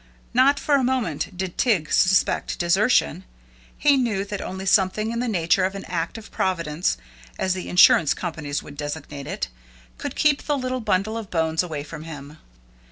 Not for a moment did Tig suspect desertion. He knew that only something in the nature of an act of Providence, as the insurance companies would designate it, could keep the little bundle of bones away from him.